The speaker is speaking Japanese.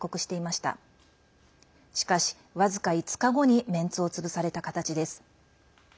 しかし、僅か５日後にメンツを潰された形です。